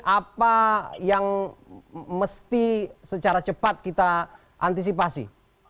apa yang mesti secara cepat kita antisipasi